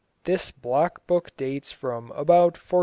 This block book dates from about 1455.